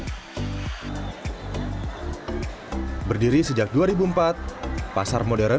berdiri sejak dua ribu empat pasar modern bsd menempatkan sebuah pasar yang menjual kebutuhan sehari hari seperti sayuran bumbu dapur ikan segar dan ayam potong